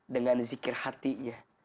dengan zikir hatinya